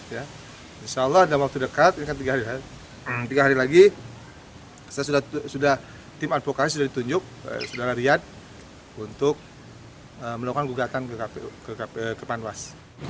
insya allah dalam waktu dekat ini kan tiga hari lagi tim advokasi sudah ditunjuk sudah larian untuk melakukan gugatan ke panwas